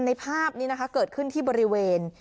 ในภาพนี้นะคะเกิดขึ้นที่บริเวณ